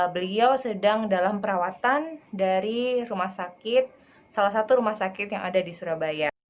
beliau sedang dalam perawatan dari rumah sakit salah satu rumah sakit yang ada di surabaya